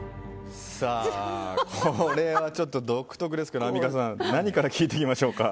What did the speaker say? これはちょっと独特ですけど、アンミカさん何から聞いていきましょうか？